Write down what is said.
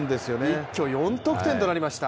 一挙４得点となりました、